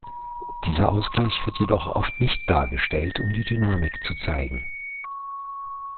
Dieser Ausgleich wird jedoch oft nicht dargestellt, um die Dynamik zu zeigen.